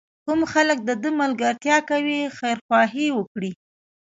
کوم خلک د ده ملګرتیا کوي خیرخواهي وکړي.